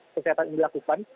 pesehatan ini dilakukan